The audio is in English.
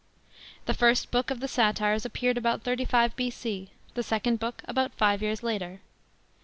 The first Book of the Satires appeared about 35 B.C. : the second Book about five years later.